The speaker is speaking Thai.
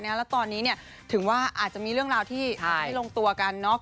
แล้วตอนนี้ถึงว่าอาจจะมีเรื่องราวที่ไม่ลงตัวกัน